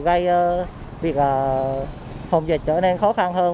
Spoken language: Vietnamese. gây việc phòng dịch trở nên khó khăn hơn